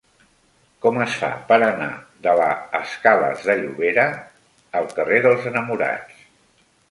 Com es fa per anar de la escales de Llobera al carrer dels Enamorats?